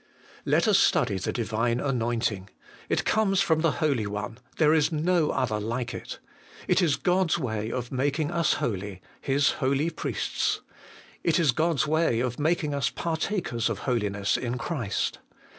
Let us study the Divine anointing. It comes from the Holy One. There is no other like it. It is God's way of making us holy His holy priests. It is God's way of making us partakers of holiness in Christ.